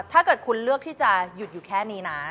ถ้าเกิดคุณเลือกที่จะหยุดอยู่แค่นี้นะ